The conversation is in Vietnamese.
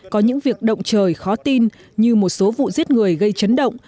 có những việc động trời khó tin như một số vụ giết người gây chấn động